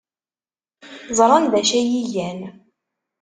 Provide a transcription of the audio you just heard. Ẓran d acu ay iyi-gan.